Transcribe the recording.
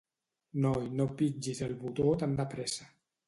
Noi, no pitgis el botó tan de pressa